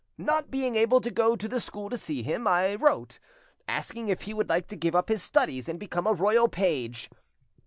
Not being able to go to the school to see him, I wrote, asking if he would like to give up his studies and become a royal page.